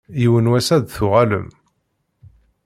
Yiwen n wass ad d-tuɣalem.